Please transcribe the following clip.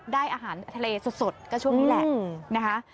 ได้อาหารทะเลสดก็ช่วงนี้แหละนะคะ